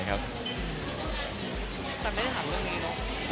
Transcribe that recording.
แต่ไม่ได้ถามเรื่องนี้เนอะ